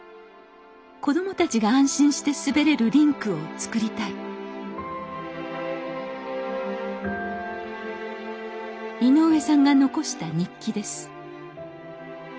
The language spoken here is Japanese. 子どもたちが安心して滑れるリンクをつくりたい井上さんが残した日記です。